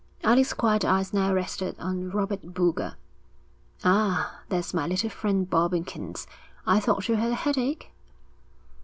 Alec's quiet eyes now rested on Robert Boulger. 'Ah, there's my little friend Bobbikins. I thought you had a headache?'